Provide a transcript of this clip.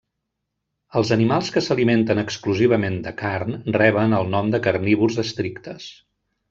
Els animals que s'alimenten exclusivament de carn reben el nom de carnívors estrictes.